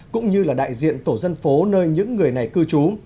cũng như là đại diện tổ dân phố nơi những người này cư trú